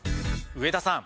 上田さん